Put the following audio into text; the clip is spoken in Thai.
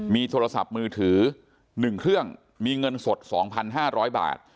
มีโทรศัพท์มือถือ๑เครื่องมีเงินสด๒๕๐๐บาท